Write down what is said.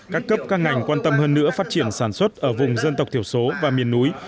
các cấp các ngành quan tâm hơn nữa phát triển sản xuất ở vùng dân tộc thiểu số và miền núi